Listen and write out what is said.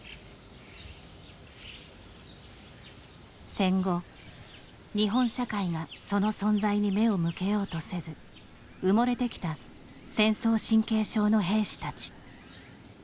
戦後、日本社会がその存在に目を向けようとせず埋もれてきた戦争神経症の兵士たち。